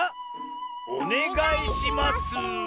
おねがいします。